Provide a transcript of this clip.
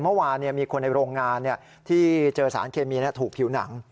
เมื่อวานมีคนในโรงงานที่เจอสารเคมีถูกผิวหนัง